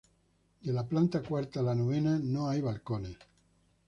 De la planta cuarta a la novena no hay balcones.